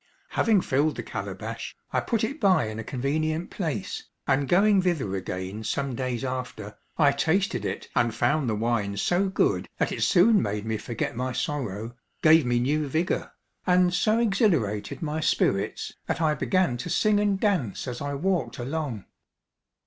Having filled the calabash, I put it by in a convenient place; and going thither again some days after, I tasted it and found the wine so good that it soon made me forget my sorrow, gave me new vigour, and so exhilarated my spirits, that I began to sing and dance as I walked along.